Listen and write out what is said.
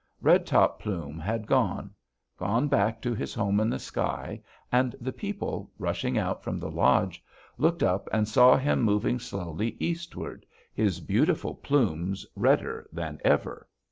Red Top Plume had gone gone back to his home in the sky, and the people, rushing out from the lodge, looked up and saw him moving slowly eastward, his beautiful plumes redder than ever.